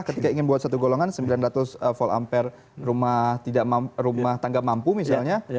ketika ingin buat satu golongan sembilan ratus volt ampere rumah tangga mampu misalnya